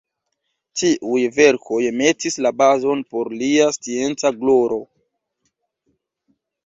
Tiuj verkoj metis la bazon por lia scienca gloro.